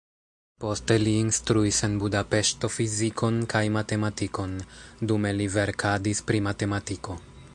Poste li instruis en Budapeŝto fizikon kaj matematikon, dume li verkadis pri matematiko.